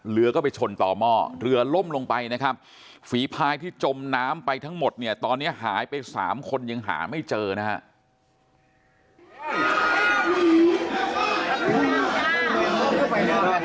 เรือก็ไปชนต่อหม้อเรือล่มลงไปนะครับฝีพายที่จมน้ำไปทั้งหมดเนี่ยตอนนี้หายไป๓คนยังหาไม่เจอนะครับ